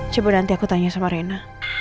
coba nanti aku tanya sama rena